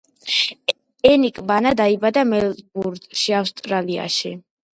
ერიკ ბანა დაიბადა მელბურნში, ავსტრალიაში.